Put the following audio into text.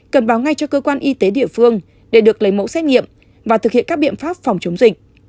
cần báo ngay cho cơ quan y tế địa phương để được lấy mẫu xét nghiệm và thực hiện các biện pháp phòng chống dịch